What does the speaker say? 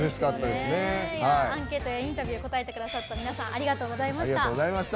アンケートやインタビュー答えてくださった皆さんありがとうございました。